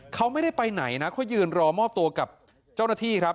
เขาไม่ได้ไปไหนนะเขายืนรอมอบตัวกับเจ้าหน้าที่ครับ